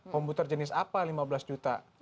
komputer jenis apa lima belas juta